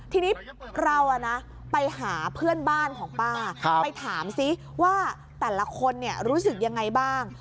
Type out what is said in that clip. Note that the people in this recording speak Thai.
ทีนี้เราไปหาเพื่อนบ้านของป้าไปถามซิว่าแต่ละคนรู้สึกยังไงบ้าง